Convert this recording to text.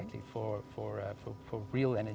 untuk produksi energi yang benar